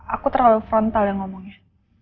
aku terlalu frontal yang ngomongnya